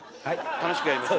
楽しくやりましょ。